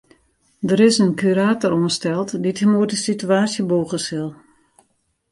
Der is in kurator oansteld dy't him oer de sitewaasje bûge sil.